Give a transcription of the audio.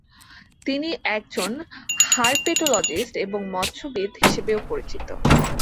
তিনি একজন হারপেটোলজিস্ট এবং মৎস্যবিদ হিসেবেও পরিচিত।